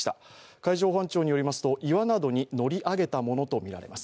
海上保安庁によりますと、岩などに乗り上げたものとみられます。